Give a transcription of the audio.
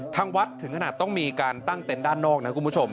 ทางวัดถึงขนาดต้องมีการตั้งเต็นต์ด้านนอกนะคุณผู้ชม